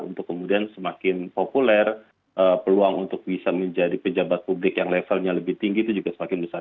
untuk kemudian semakin populer peluang untuk bisa menjadi pejabat publik yang levelnya lebih tinggi itu juga semakin besar